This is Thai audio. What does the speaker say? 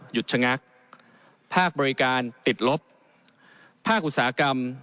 ชะงักภาคบริการติดลบภาคอุตสาหกรรม